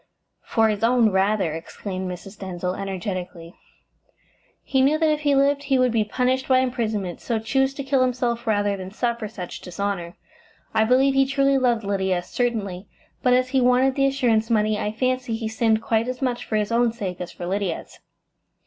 "For his own, rather," exclaimed Mrs. Denzil energetically. "He knew that if he lived he would be punished by imprisonment, so chose to kill himself rather than suffer such dishonour. I believe he truly loved Lydia, certainly, but as he wanted the assurance money, I fancy he sinned quite as much for his own sake as for Lydia's."